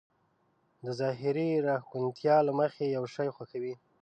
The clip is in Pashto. د ظاهري راښکونتيا له مخې يو شی خوښوي.